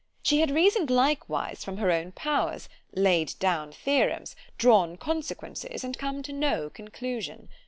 She had reason'd likewise from her own powers——laid down theorems——drawn consequences, and come to no conclusion.